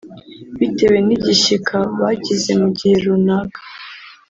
bitewe n’igishyika bagize mu gihe runaka